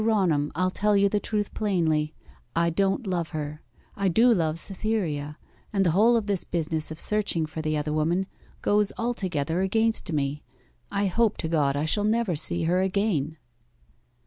'Mr. Raunham, I'll tell you the truth plainly: I don't love her; I do love Cytherea, and the whole of this business of searching for the other woman goes altogether against me. I hope to God I shall never see her again.